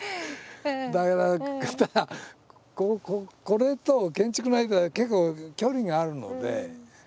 これと建築の間は結構距離があるので。